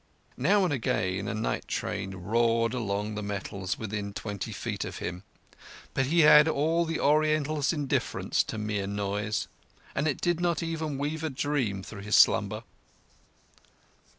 Now and again a night train roared along the metals within twenty feet of him; but he had all the Oriental's indifference to mere noise, and it did not even weave a dream through his slumber.